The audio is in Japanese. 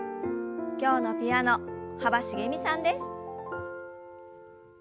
今日のピアノ幅しげみさんです。